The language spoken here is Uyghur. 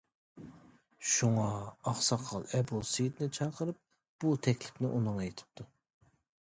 شۇڭا ئاقساقال ئەبۇ سېيىتنى چاقىرىپ، بۇ تەكلىپنى ئۇنىڭغا ئېيتىپتۇ.